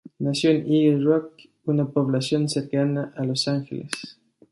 Nació en Eagle Rock, una población cercana a Los Ángeles.